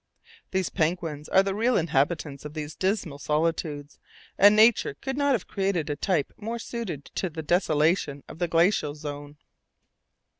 These penguins are the real inhabitants of these dismal solitudes, and nature could not have created a type more suited to the desolation of the glacial zone.